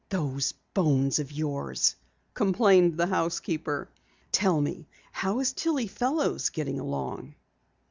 "Those bones of yours!" complained the housekeeper. "Tell me, how is Tillie Fellows getting along?"